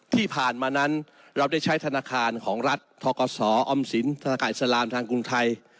ที่ผ่านมานั้นเราได้ใช้ธนาคารของรัฐทกศออมสินธนาคารอิสลามทางกรุงไทย